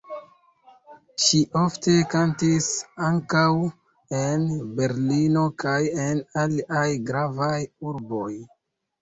Ŝi ofte kantis ankaŭ en Berlino kaj en aliaj gravaj urboj.